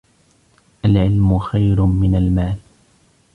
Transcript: الْعِلْمُ خَيْرٌ مِنْ الْمَالِ